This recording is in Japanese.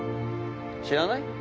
知らない？